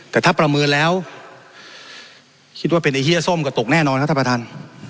แต่ถ้าประเมินแล้วคิดว่าเป็นไอ้เฮียส้มก็ตกแน่นอนครับท่านประธาน